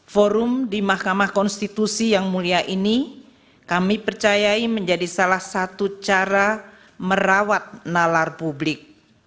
forum di mahkamah konstitusi yang mulia ini kami percayai menjadi salah satu cara merawat nalar publik